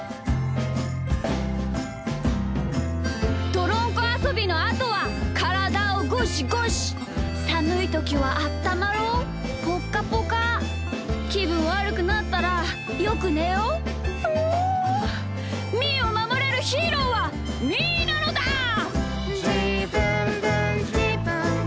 「どろんこあそびのあとはからだをゴシゴシ」「さむいときはあったまろうぽっかぽか」「きぶんわるくなったらよくねよう！」「みーをまもれるヒーローはみーなのだー！」